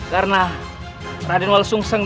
karena radenol langsung selesai